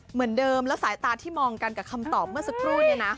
เหมือนเดิมแล้วสายตาที่มองกันกับคำตอบเมื่อสักครู่เนี่ยนะ